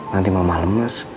nanti mama lemes